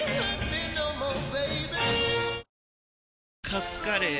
カツカレー？